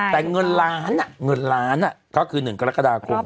แต่เงินล้านน่ะเขาคือ๑กรกฎาคม